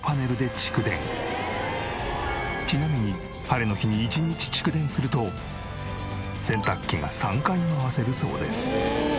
ちなみに晴れの日に１日蓄電すると洗濯機が３回回せるそうです。